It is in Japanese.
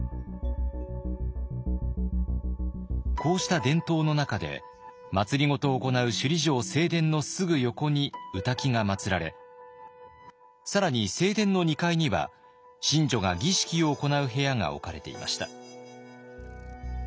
こうした伝統の中で政を行う首里城正殿のすぐ横に御嶽がまつられ更に正殿の２階には神女が儀式を行う部屋が置かれていました。